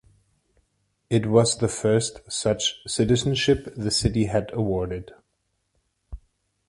It was the first such citizenship the city had awarded.